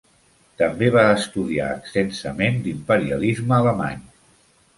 També va estudiar extensament l'imperialisme alemany.